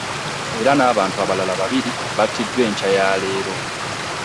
Era n'abantu abalala babiri battiddwa enkya ya leero